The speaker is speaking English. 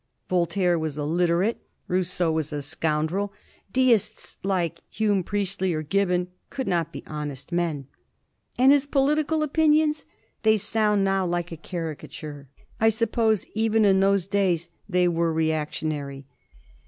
Voltaire was illiterate. Rousseau was a scoundrel. Deists, like Hume, Priestley, or Gibbon, could not be honest men. And his political opinions! They sound now like a caricature. I suppose even in those days they were reactionary.